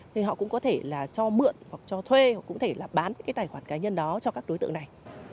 thì họ cũng có thể là cho mượn hoặc cho thuê hoặc cũng có thể là bán cái tài khoản cá nhân đó cho các đối tượng này